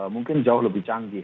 mungkin jauh lebih canggih